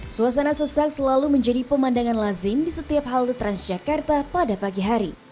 suasana sesak selalu menjadi pemandangan lazim di setiap halte transjakarta pada pagi hari